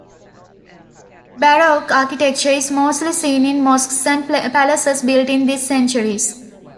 Baroque architecture is mostly seen in mosques and palaces built in this centuries.